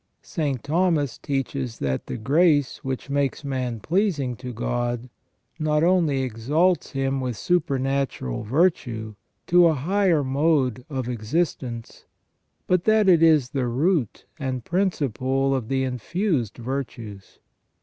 St. Thomas teaches that the grace which makes man pleasing to God, not only exalts him with supernatural virtue to a higher mode of existence, but that it is the root and principle of the infused virtues.